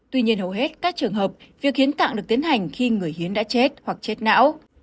tuy nhiên hầu hết các trường hợp việc hiến tạng được tiến hành khi người hiến đã chết hoặc chết não